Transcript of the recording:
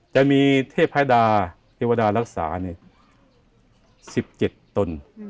จะมีเทพดาเทวดารักษา๑๗ตน